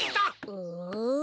うん？